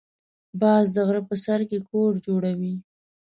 باز د غره په سر کې کور جوړوي